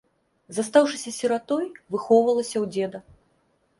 Застаўшыся сіратой, выхоўвалася ў дзеда.